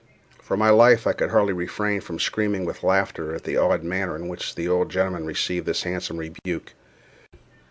For my life I could hardly refrain from screaming with laughter at the odd manner in which the old gentleman received this handsome rebuke.